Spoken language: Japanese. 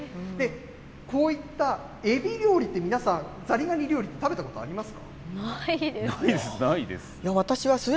こういったエビ料理って皆さん、ザリガニ料理、食べたことあります？